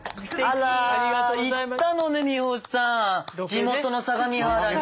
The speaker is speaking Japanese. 地元の相模原に。